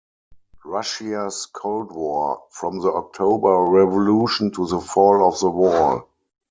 Russia's Cold War: From the October Revolution to the Fall of the Wall.